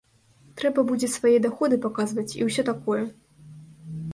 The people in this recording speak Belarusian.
Трэба будзе свае даходы паказваць і ўсё такое.